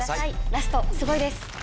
ラストすごいです！